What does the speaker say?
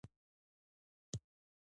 پروژه هدف لرونکي فعالیتونه لري.